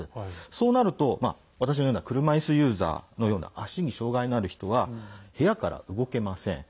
そうなると、私のような車いすユーザーのような足に障害のある人は部屋から動けません。